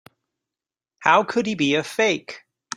How could he be a fake?